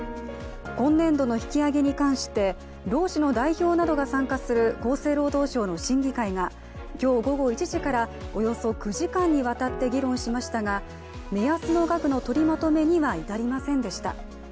今年度の引き上げに関して労使の代表などが参加する厚生労働省の審議会が今日午後１時からおよそ９時間にわたって議論しましたが目安の額の取りまとめには至りませんでした。